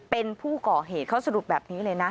เป็นผู้ก่อเหตุเขาสรุปแบบนี้เลยนะ